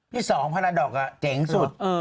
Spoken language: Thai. พี่สองพนันดอกเก่งสุด